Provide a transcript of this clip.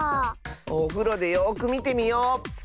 おふろでよくみてみよう。